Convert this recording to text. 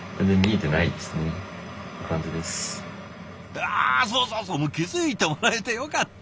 うわそうそうそうもう気付いてもらえてよかった。